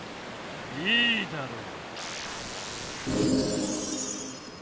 いいだろう。